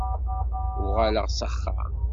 Uɣaleɣ s axxam.